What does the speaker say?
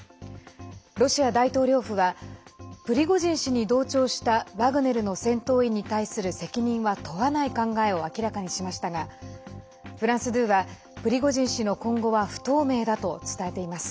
ロシア大統領府はプリゴジン氏に同調したワグネルの戦闘員に対する責任は問わない考えを明らかにしましたがフランス２は、プリゴジン氏の今後は不透明だと伝えています。